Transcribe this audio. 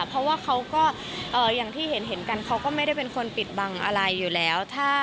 เพราะว่าเขาก็อย่างที่เห็นกันเขาก็ไม่ได้เป็นคนปิดบังอะไรอยู่แล้ว